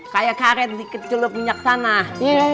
kayak karet diket celup minyak tanah